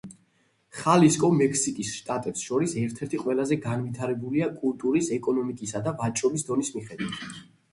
ხალისკო მექსიკის შტატებს შორის ერთ-ერთი ყველაზე განვითარებულია კულტურის, ეკონომიკის და ვაჭრობის დონის მიხედვით.